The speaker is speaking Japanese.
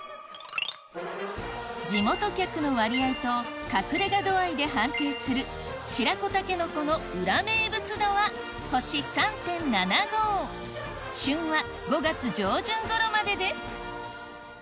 地元客の割合と隠れ家度合いで判定する白子竹の子の裏名物度は旬は５月上旬ごろまでです